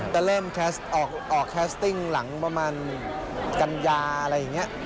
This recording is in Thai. จะเริ่มออกแคสติ้งหลังประมาณกันยาอะไรอย่างนี้